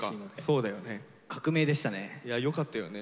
いやよかったよね。